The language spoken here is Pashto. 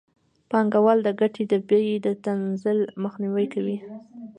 پانګوال د ګټې د بیې د تنزل مخنیوی کوي